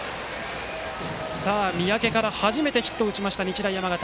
三宅から初めてヒットを打った日大山形。